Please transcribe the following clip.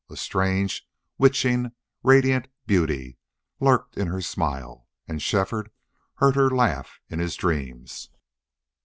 A strange, witching, radiant beauty lurked in her smile. And Shefford heard her laugh in his dreams.